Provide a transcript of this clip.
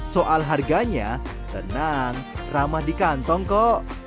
soal harganya tenang ramah di kantong kok